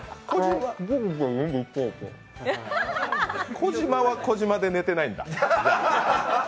小島は小島で寝てないんだ。